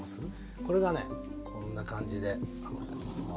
これがねこんな感じで。